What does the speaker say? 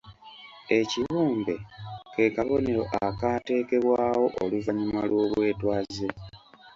Ekibumbe ke kabonero akaateekebwawo oluvannyuma lw'obwetwaze.